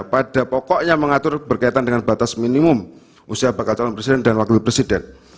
pada pokoknya mengatur berkaitan dengan batas minimum usia bakal calon presiden dan wakil presiden